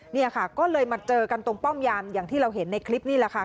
เนี่ยค่ะก็เลยมาเจอกันตรงป้อมยามอย่างที่เราเห็นในคลิปนี่แหละค่ะ